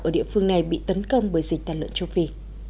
ở địa phương này bị tấn công bởi dịch tàn lợn châu phi